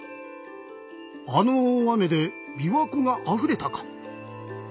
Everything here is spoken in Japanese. あの大雨でびわ湖があふれたか。